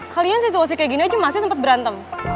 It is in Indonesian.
kalian situasi kayak gini aja masih sempat berantem